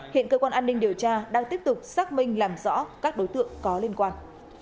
hiện cơ quan an ninh điều tra đang tiếp tục xác minh làm rõ các đối tượng có liên quan